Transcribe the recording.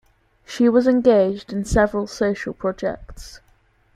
She was engaged in several social projects.